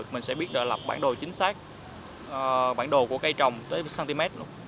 mình sẽ biết lập bản đồ chính xác bản đồ của cây trồng tới một cm